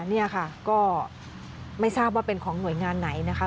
นี่ค่ะก็ไม่ทราบว่าเป็นของหน่วยงานไหนนะคะ